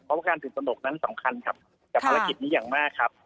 เพราะว่าการตื่นตนกนั้นสำคัญครับกับภารกิจนี้อย่างมากครับ